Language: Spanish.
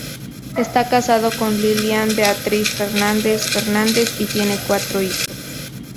Está casado con Lilian Beatriz Fernández Fernández y tiene cuatro hijos.